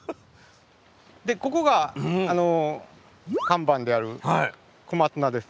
でここがあの看板である小松菜です。